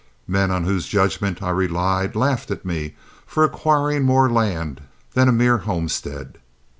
Men on whose judgment I relied laughed at me for acquiring more land than a mere homestead.